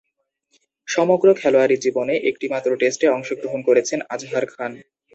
সমগ্র খেলোয়াড়ী জীবনে একটিমাত্র টেস্টে অংশগ্রহণ করেছেন আজহার খান।